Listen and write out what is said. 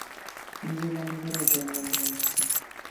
নিজের অন্ধকারেই ওর দম বন্ধ হয়ে আসছে।